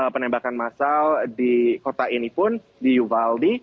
penembakan masal di kota ini pun di uvaldi